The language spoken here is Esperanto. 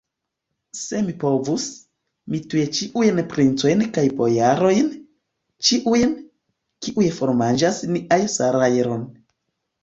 Se mi povus, mi tuj ĉiujn princojn kaj bojarojn, ĉiujn, kiuj formanĝas nian salajron.